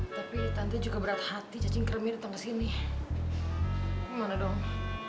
tapi tante juga berat hati cacing kerumi datang ke sini gimana dong